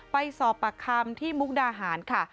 ไปสอบปากคำที่มุกดาหารค่ะ